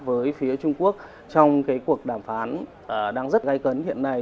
với phía trung quốc trong cái cuộc đàm phán đang rất gây cấn hiện nay